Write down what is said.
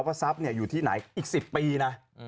ว่าทรัพย์เนี่ยอยู่ที่ไหนอีก๑๐ปีนะ